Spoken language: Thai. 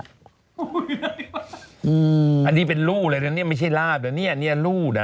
อันนี้เป็นลู่หรืออะไรนี่ไม่ใช่ราบอันนี้ลู่